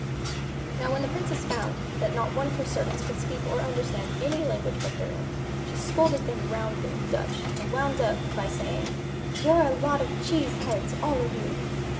Now when the Princess found that not one of her servants could speak or understand any language but their own, she scolded them roundly in Dutch, and wound up by saying, "You're a lot of cheese heads, all of you."